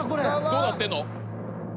どうなってんの？